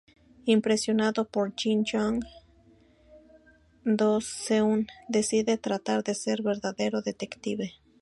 Impresionado por Jin-young, Il-seung decide tratar de ser un verdadero detective.